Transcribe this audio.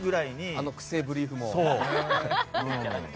あのくせえブリーフも。